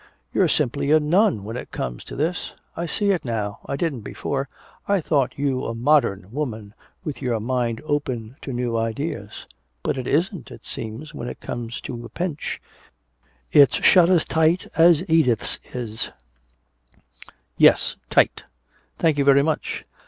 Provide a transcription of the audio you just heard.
You're simply a nun when it comes to this. I see it now I didn't before I thought you a modern woman with your mind open to new ideas. But it isn't, it seems, when it comes to a pinch it's shut as tight as Edith's is " "Yes, tight!" "Thank you very much!